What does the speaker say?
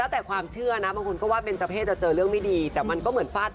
แฟนคลับฟรีดตระนัน